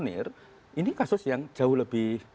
ini kasus yang jauh lebih